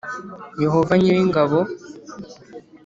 Yehova nyir’ingabo.